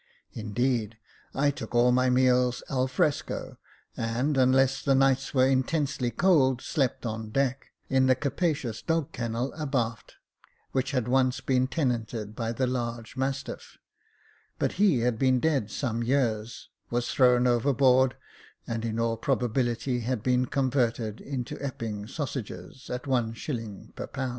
Indeed, I took all my meals al fresco ^ and, unless the nights were intensely cold, slept on deck, in the capacious dog kennel abaft, which had once been tenanted by the large mastiff; but he had been dead some years, was thrown overboard, and, in all probability, had been converted into Epping sausages, at is. per lb.